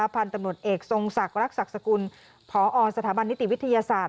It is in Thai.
พันธุ์ตำรวจเอกทรงศักดิ์รักศักดิ์สกุลพอสถาบันนิติวิทยาศาสตร์